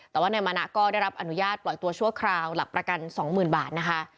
แต่ว่านายมณะก็ได้รับอนุญาตปล่อยตัวชั่วคราวหลักประกัน๒๐๐๐บาทนะคะ